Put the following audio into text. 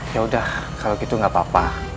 yaudah kalau gitu gak apa apa